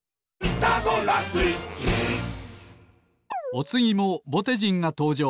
おつぎもぼてじんがとうじょう。